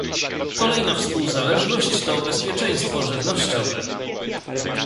Kolejna współzależność to bezpieczeństwo żywnościowe